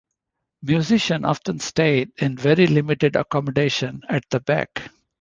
Musicians often stayed in very limited accommodation at the back.